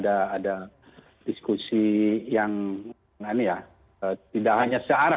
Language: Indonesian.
ada diskusi yang tidak hanya searah